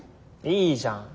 いいじゃん。